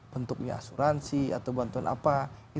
bentuknya asuransi atau bantuan apa